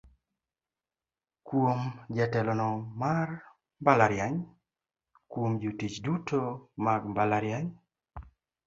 Kuom: Jatelono mar mbalariany Kuom: Jotich duto mag mbalariany.